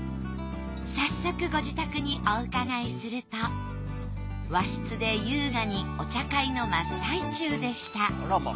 早速ご自宅にお伺いすると和室で優雅にお茶会の真っ最中でした。